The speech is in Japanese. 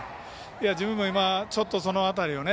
自分も今、ちょっとその辺りをね